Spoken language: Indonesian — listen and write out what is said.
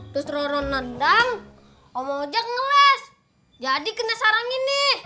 terus ronron nendang omojak ngeles jadi kena sarang ini